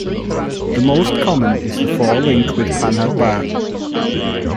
The most common is the four link with panhard bar.